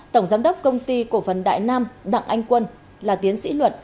tổng giám đốc công ty cổ phần đại nam đặng anh quân là tiến sĩ luật